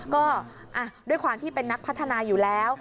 ก็ด้วยความที่เป็นนักพัฒนาอยู่แล้ว